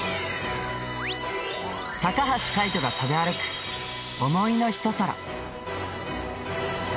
高橋海人が食べ歩く想いの一皿。